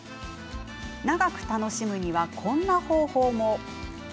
長く楽しむにはこんな方法も。